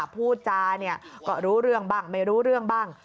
พูดจาก็รู้เรื่องบ้างไม่รู้เรื่องบ้าง